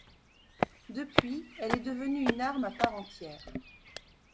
Depuis, elle est devenue une arme à part entière.